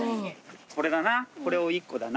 これだなこれを１個だな。